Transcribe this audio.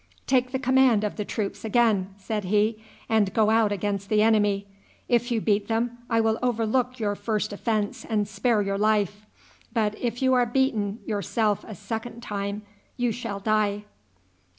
"Take the command of the troops again," said he, "and go out against the enemy. If you beat them, I will overlook your first offense and spare your life; but if you are beaten yourself a second time, you shall die."